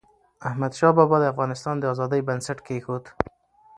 احمدشاه بابا د افغانستان د ازادی بنسټ کېښود.